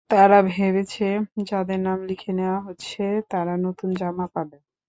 তারা ভেবেছে যাদের নাম লিখে নেওয়া হচ্ছে, তারা নতুন জামা পাবে।